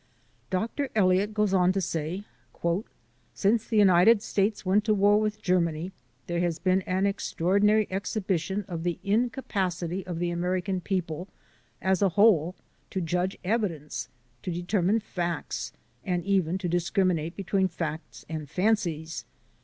Doctor Eliot goes on to say: " Since the United States went to war with Ger many there has been an extraordinary exhibition of the incapacity of the American people, as a whole, to judge evidence, to determine facts, and even to discriminate between facts and fancies.